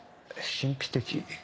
神秘的。